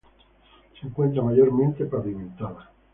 Se encuentra mayormente pavimentada.